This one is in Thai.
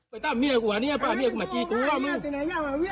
ไปตั้งเมียกูอันนี้มาจี๊กูล่ะมึง